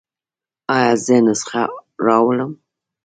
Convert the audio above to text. ایا زه نسخه راوړم؟